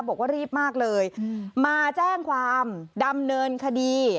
บอกว่ารีบมากเลยมาแจ้งความดำเนินคดี